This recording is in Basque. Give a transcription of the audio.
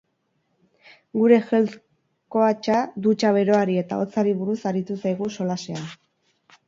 Gure health coacha dutxa beroari eta hotzari buruz aritu zaigu solasean.